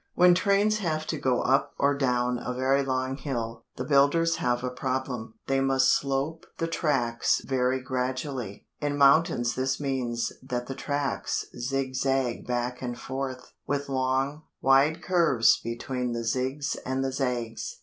When trains have to go up or down a very long hill, the builders have a problem. They must slope the tracks very gradually. In mountains this means that the tracks zig zag back and forth, with long, wide curves between the zigs and the zags.